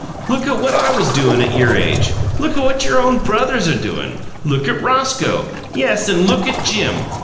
"Look at what I was doin' at your age! Look at what your own brothers are doin'! Look at Roscoe! Yes, and look at Jim!